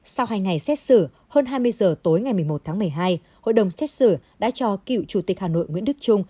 sau hai ngày xét xử hơn hai mươi giờ tối ngày một mươi một tháng một mươi hai hội đồng xét xử đã cho cựu chủ tịch hà nội nguyễn đức trung